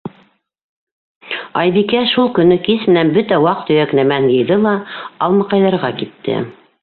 Айбикә шул көнө кис менән бөтә ваҡ-төйәк нәмәһен йыйҙы ла Алмаҡайҙарға китте.